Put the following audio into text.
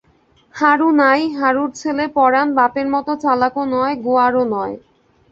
হারু নাই, হারুর ছেলে পরাণ বাপের মতো চালাকও নয়, গোয়ারও নয়।